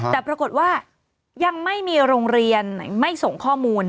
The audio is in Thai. แต่ปรากฏว่ายังไม่มีโรงเรียนไม่ส่งข้อมูล